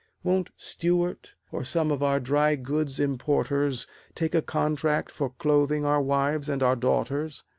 Won't Stewart, or some of our dry goods importers, Take a contract for clothing our wives and our daughters?